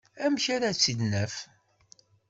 Amek ara tt-id-naf?